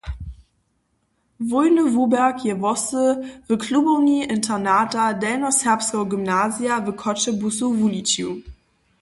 Wólbny wuběrk je hłosy w klubowni internata Delnjoserbskeho gymnazija w Choćebuzu wuličił.